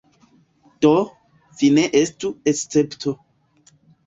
Do, vi ne estu escepto.